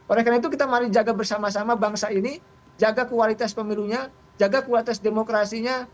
oleh karena itu kita mari jaga bersama sama bangsa ini jaga kualitas pemilunya jaga kualitas demokrasinya